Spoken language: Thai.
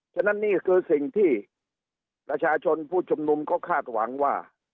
ฉะนั้นนี่คือสิ่งที่ประชาชนผู้ชุมนุมเขาคาดหวังว่า